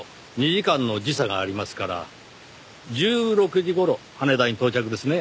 ２時間の時差がありますから１６時頃羽田に到着ですね。